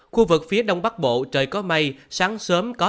khu vực phía đông bắc bộ trời có mây sáng sớm có